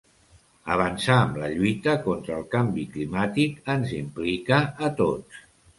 Avançar amb la lluita contra el canvi climàtic ens implica a tots.